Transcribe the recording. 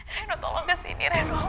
reno tolong kesini reno